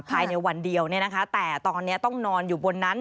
ภายในวันเดียวแต่ตอนนี้ต้องนอนอยู่บนนั้น